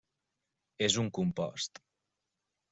És un compost.